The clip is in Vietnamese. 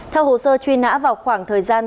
theo hồ sơ truy nã vào khoảng thời gian